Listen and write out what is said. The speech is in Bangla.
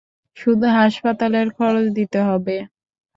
শুধু হাসপাতালের খরচ দিতে হবে।